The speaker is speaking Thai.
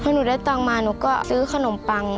หนูได้ตังค์มาหนูก็ซื้อขนมปัง